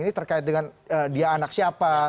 ini terkait dengan dia anak siapa